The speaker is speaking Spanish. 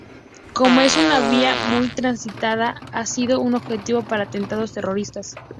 Como es una vía muy transitada, ha sido un objetivo para atentados terroristas.